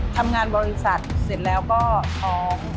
ทำงานบริษัทเสร็จแล้วก็ท้อง